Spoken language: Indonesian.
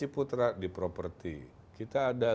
putra di properti kita ada